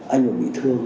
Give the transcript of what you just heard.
anh mà bị thương